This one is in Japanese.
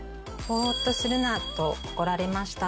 「ボーッとするなと怒られました」！